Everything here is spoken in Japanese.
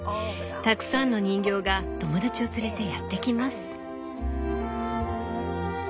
たくさんの人形が友だちを連れてやってきます」。